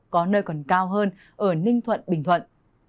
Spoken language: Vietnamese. có nơi còn cao hơn ở ninh thuận bình thuận